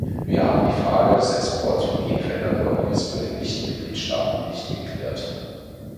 Wir haben die Frage des Exports von genveränderten Organismen in Nichtmitgliedstaaten nicht geklärt.